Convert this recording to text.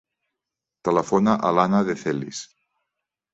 Telefona a l'Anna De Celis.